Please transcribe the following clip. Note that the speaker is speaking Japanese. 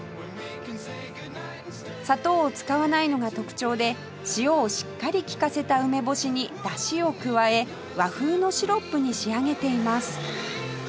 砂糖を使わないのが特徴で塩をしっかり利かせた梅干しにダシを加え和風のシロップに仕上げています